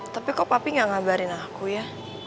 tapi kok papi gak ngabarin aku ya